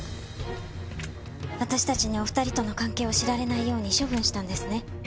私たちにお二人との関係を知られないように処分したんですね。